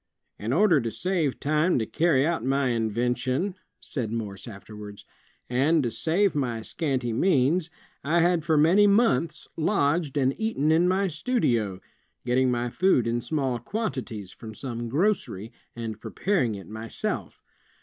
''In order to save time to carry out my invention," said Morse afterwards, "and to save my scanty means, I had for many months lodged and eaten in my studio, getting my food in small quantities from some grocery, and preparing it myself.